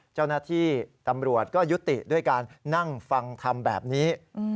เจ้าหน้าที่ตำรวจก็ยุติด้วยการนั่งฟังทำแบบนี้